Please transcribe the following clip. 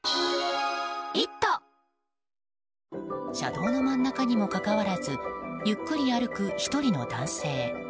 車道の真ん中にもかかわらずゆっくり歩く１人の男性。